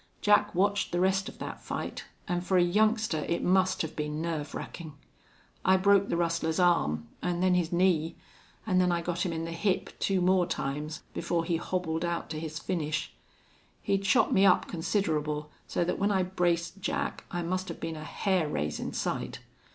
Jack watched the rest of that fight, an' for a youngster it must have been nerve rackin'. I broke the rustler's arm, an' then his knee, an' then I got him in the hip two more times before he hobbled out to his finish. He'd shot me up considerable, so that when I braced Jack I must have been a hair raisin' sight.